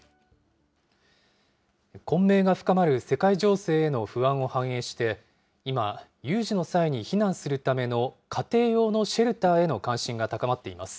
混迷が深まる世界情勢への不安を反映して、今、有事の際に避難するための家庭用のシェルターへの関心が高まっています。